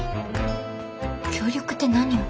協力って何を？